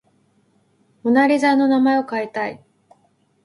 モナ・リザの名前を変えたい